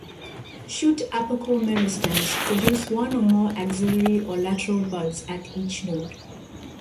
Shoot apical meristems produce one or more axillary or lateral buds at each node.